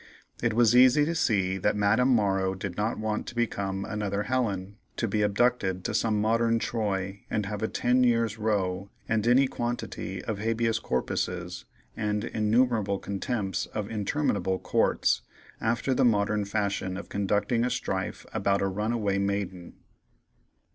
It was easy to see that Madame Morrow did not want to become another Helen, to be abducted to some modern Troy, and have a ten years' row, and any quantity of habeas corpuses, and innumerable contempts of interminable courts, after the modern fashion of conducting a strife about a runaway maiden.